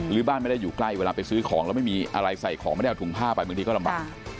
บ้านไม่ได้อยู่ใกล้เวลาไปซื้อของแล้วไม่มีอะไรใส่ของไม่ได้เอาถุงผ้าไปบางทีก็ลำบาก